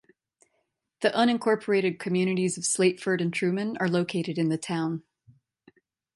The unincorporated communities of Slateford and Truman are located in the town.